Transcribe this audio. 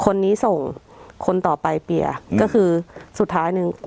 คนนี้ส่งคนต่อไปเปียร์ก็คือสุดท้ายหนึ่ง